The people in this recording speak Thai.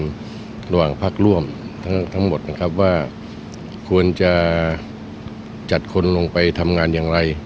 ระหว่างพักร่วมทั้งหมดนะครับว่าควรจะจัดคนลงไปทำงานอย่างไร